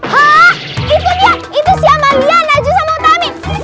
hah itu dia itu si amalia najwa sama utami